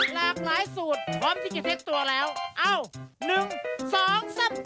หลากหลายสูตรพร้อมที่จะเท็กตัวแล้วเอ้าหนึ่งสองสาม